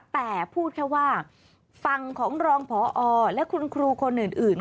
แต่พูดแค่ว่าฝั่งของรองพอและคุณครูคนอื่น